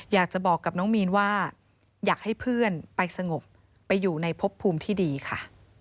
อยากจะบอกกับน้องมีนว่าอยากให้เพื่อนไปสงบไปอยู่ในพบภูมิที่ดีค่ะ